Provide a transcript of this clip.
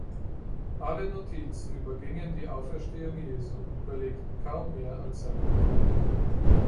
Alle Notizen übergingen die Auferstehung Jesu und belegten „kaum mehr als seinen Tod“.